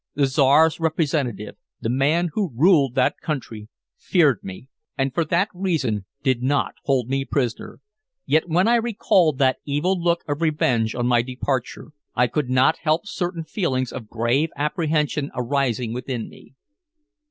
The Czar's representative the man who ruled that country feared me, and for that reason did not hold me prisoner. Yet when I recalled that evil look of revenge on my departure, I could not help certain feelings of grave apprehension arising within me.